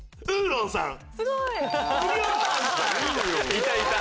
いたいた！